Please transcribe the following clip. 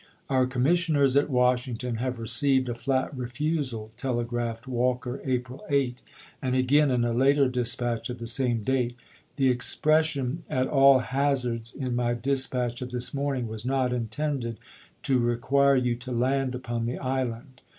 "Oiu commissioners at \.,^j. il?.^' Washington have received a flat refusal," tele graphed Walker April 8 ; and again, in a later dispatch of the same date :" The expression, ' at all hazards,' in my dispatch of this morning was not intended to require you to land upon the island.